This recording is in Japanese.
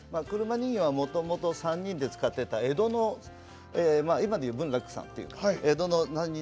車人形はもともと３人で使ってた江戸の今で言う文楽さんって言う。